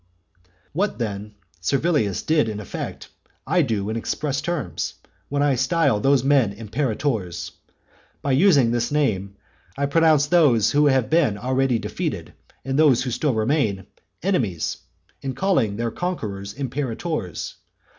IX. What then Servilius did in effect, I do in express terms, when I style those men imperators. By using this name, I pronounce those who have been already defeated, and those who still remain, enemies in calling their conquerors imperators.